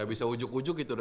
gak bisa ujug ujug gitu